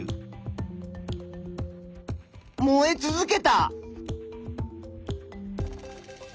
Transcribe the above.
燃え続けた。